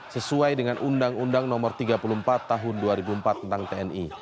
sesuai dengan undang undang no tiga puluh empat tahun dua ribu empat tentang tni